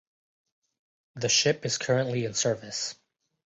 The ship is currently in service.